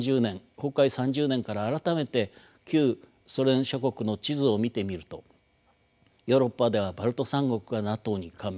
崩壊３０年から改めて旧ソ連諸国の地図を見てみるとヨーロッパではバルト三国がＮＡＴＯに加盟。